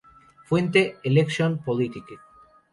Fuente: Election-Politique